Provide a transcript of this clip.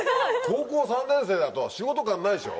高校３年生だと仕事感ないでしょ？